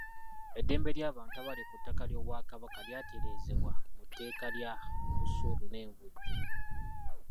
Eddembe ly’abantu abali ku ttaka ly’Obwakabaka lyatereezebwa mu tteeka lya busuulu n’envujjo.